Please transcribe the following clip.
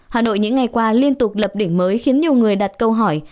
hà nội những ngày qua liên tục lập đỉnh mới khiến nhiều người đặt câu hỏi